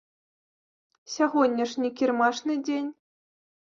Сягоння ж не кірмашны дзень.